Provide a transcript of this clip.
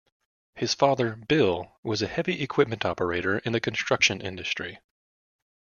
His father, Bill, was a heavy equipment operator in the construction industry.